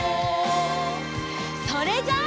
それじゃあ。